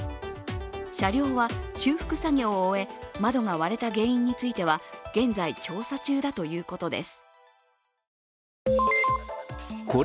車両は修復作業を終え窓が割れた原因については現在調査中だということです。